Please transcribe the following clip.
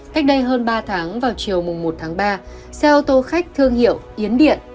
cách đây hơn ba tháng vào chiều một tháng ba xe ô tô khách thương hiệu yến điện